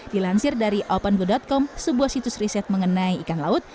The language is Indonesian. dilansir dari opango com sebuah situs riset mengenai ikan laut